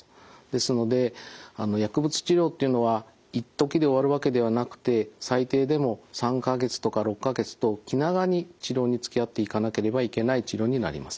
ですので薬物治療っていうのはいっときで終わるわけではなくて最低でも３か月とか６か月と気長に治療につきあっていかなければいけない治療になります。